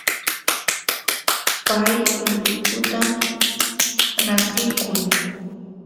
pay ullukuta rantiykun.